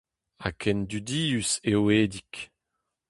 Ha ken dudius eo Edig.